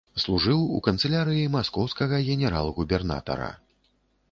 Служыў у канцылярыі маскоўскага генерал-губернатара.